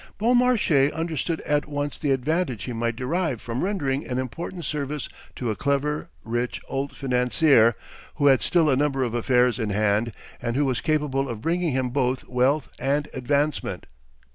Beaumarchais understood at once the advantage he might derive from rendering an important service to a clever, rich, old financier, who had still a number of affairs in hand, and who was capable of bringing him both wealth and advancement.